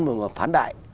và phán đại